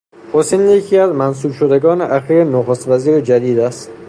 حسین یکی از منصوب شدگان اخیر نخست وزیر جدید است.